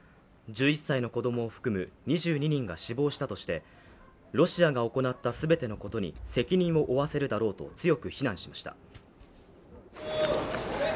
１１歳の子供を含む２２人が死亡したとしてロシアが行った全てのことに責任を負わせるだろうと強く非難しました。